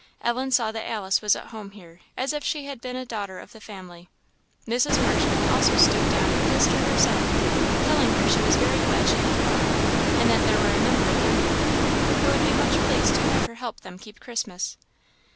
Ellen saw that Alice was at home here, as if she had been a daughter of the family. Mrs. Marshman also stooped down and kissed her herself, telling her she was very glad she had come, and that there were a number of young people there, who would be much pleased to have her help them keep Christmas.